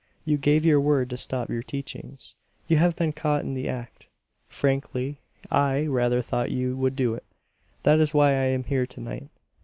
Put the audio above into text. You gave your word to stop your teachings; you have been caught in the act. Frankly, I rather thought you would do it; that is why I am here to night.